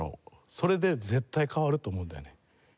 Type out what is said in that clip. それで絶対変わると思うんだよね。